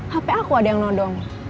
hp aku ada yang nodong